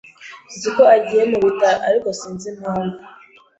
Nzi ko agiye mu bitaro, ariko sinzi impamvu.